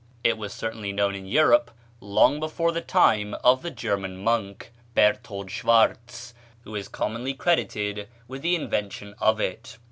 It was certainly known in Europe long before the time of the German monk, Berthold Schwarz, who is commonly credited with the invention of it.